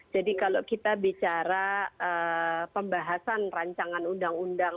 jadi kalau kita bicara pembahasan rancangan undang undang